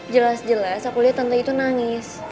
jelas jelas aku lihat tante itu nangis